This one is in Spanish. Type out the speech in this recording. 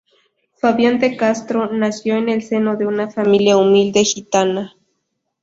Fabián de Castro, nació en el seno de una familia humilde gitana.